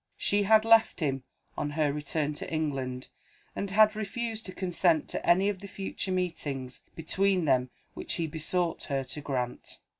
She had left him, on her return to England, and had refused to consent to any of the future meetings between them which he besought her to grant.